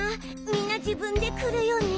みんな自分で来るよね？」